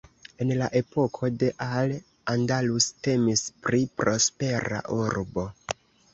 En la epoko de Al Andalus temis pri prospera urbo.